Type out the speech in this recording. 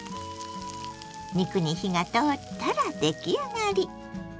肉に火が通ったら出来上がり。